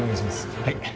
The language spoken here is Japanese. はい。